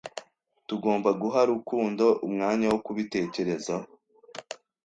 Tugomba guha Rukundo umwanya wo kubitekerezaho.